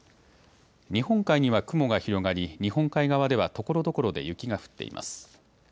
日本海には雲が広がり日本海側ではところどころで雪が降っています。